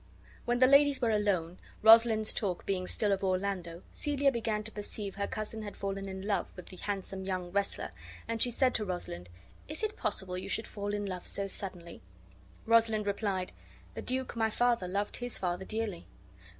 When the ladies were alone, Rosalind's talk being still of Orlando, Celia began to perceive her cousin had fallen in love with the handsome young wrestler, and she said to Rosalind: "Is it possible you should fall in love so suddenly?" Rosalind replied, "The duke, my father, loved his father dearly."